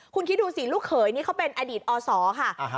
คุณคิดดูสิลูกเขยนี่เขาเป็นอดีตเอาท์ศค่ะอ่าฮะ